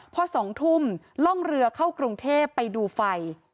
พอ๒ทุ่มล่องเรือเข้ากรุงเทพไปดูไฟ